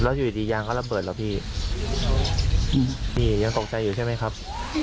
แล้วอยู่ดียางเขาระเบิดเหรอพี่นี่ยังตกใจอยู่ใช่ไหมครับ